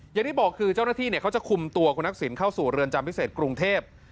อย่างที่บอกคือเจ้าหน้าที่เขาจะคุมตัวคุณทักษิณเข้าสู่เรือนจำพิเศษกรุงเทพ